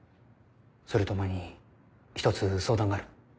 それとお前に１つ相談がある。